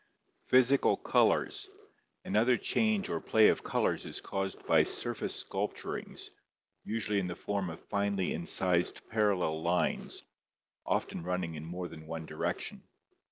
Physical Colors. — Another change or play of colors is caused by surface sculpturings, usually in the form of finely incised parallel lines, often running in more than one direction.